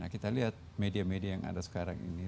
kita lihat media media yang ada sekarang ini